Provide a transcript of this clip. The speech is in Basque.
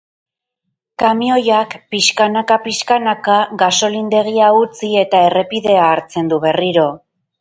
Kamioiak, pixkana-pixkana, gasolindegia utzi eta errepidea hartzen du berriro.